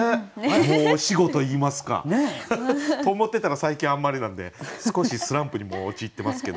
申し子といいますか。と思ってたら最近あんまりなんで少しスランプにも陥ってますけど。